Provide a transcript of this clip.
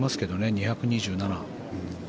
２２７。